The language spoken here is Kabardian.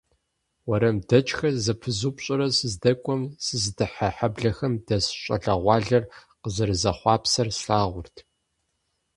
УэрамдэкӀхэр зэпызупщӀурэ сыздэкӀуэм, сызыдыхьэ хьэблэхэм дэс щӀалэгъуалэр къызэрызэхъуапсэр слъагъурт.